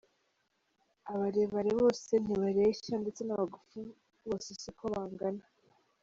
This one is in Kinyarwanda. Abarebare bose ntibareshya, ndetse n’abagufi bose si ko bangana.